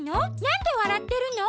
なんでわらってるの？